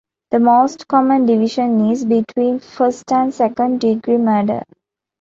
The most common division is between first- and second-degree murder.